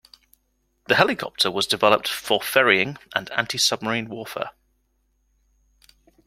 The helicopter was developed for ferrying and anti-submarine warfare.